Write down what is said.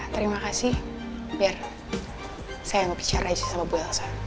terima kasih biar saya ngobicar aja sama mbak elsa